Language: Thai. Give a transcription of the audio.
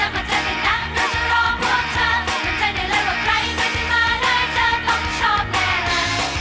มันใจในเลยว่าใครไม่ได้มาเลยเธอต้องชอบแม่ร้าย